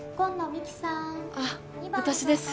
あっ私です。